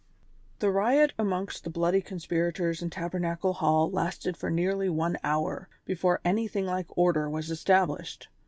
HE riot amongst the bloody conspirators in Taber nacle Hall lasted for nearly one hour, before anything like order was established.